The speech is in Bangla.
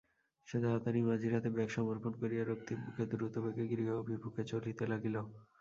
সে তাড়াতাড়ি মাঝির হাতে ব্যাগ সমর্পণ করিয়া রক্তিমমুখে দ্রুতবেগে গৃহ অভিমুখে চলিতে লাগিল।